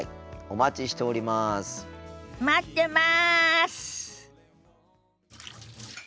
待ってます！